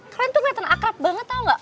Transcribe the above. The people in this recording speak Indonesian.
kalian tuh matten akrab banget tau gak